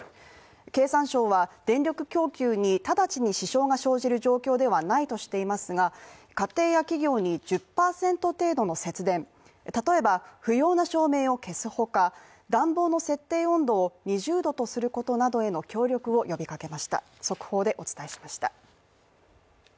経産省は電力供給に直ちに支障が生じる状況ではないとしていますが家庭や企業に１０％程度の節電、例えば、不要な照明を消すほか暖房の設定温度を２０度とすることなどへの協力を呼びかけました。